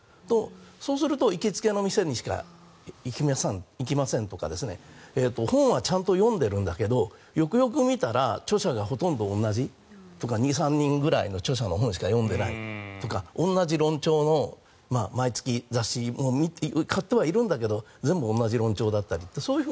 そうすると行きつけの店にしか行きませんとか本はちゃんと読んでいるんだけどよくよく見たら著者がほとんど同じとか２３人ぐらいの著者の本しか読んでいないとか同じ論調の毎月雑誌を買ってはいるんだけど全部同じ論調だったりという。